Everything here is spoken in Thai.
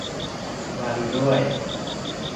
มาดูด้วย